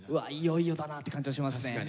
いよいよだなって感じはしますね。